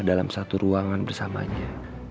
dalam satu ruangan bersamanya